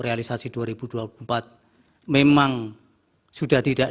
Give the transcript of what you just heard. realisasi dua ribu dua puluh empat memang sudah tidak